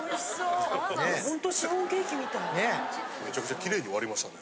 めちゃくちゃキレイに割りましたね。